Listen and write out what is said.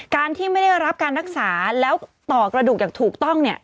การที่ไม่ได้รับการรักษาแล้วต่อกระดูกอย่างถูกต้องเนี่ย